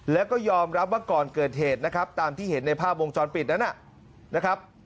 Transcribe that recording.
แล้วก็ยอมรับว่าก่อนเกิดเหตุนะครับตามที่เห็นในภาพวงจรปิดนั้นนะครับ